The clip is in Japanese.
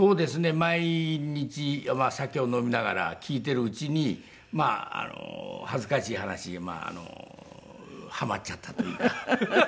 毎日酒を飲みながら聴いているうちに恥ずかしい話ハマっちゃったというか。